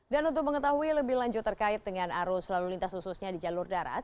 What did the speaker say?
dan untuk mengetahui lebih lanjut terkait dengan arus lalu lintas khususnya di jalur darat